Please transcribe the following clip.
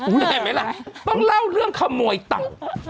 เห็นไหมล่ะต้องเล่าเรื่องขโมยเต่า